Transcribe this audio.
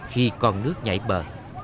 khi còn nước nhảy bờ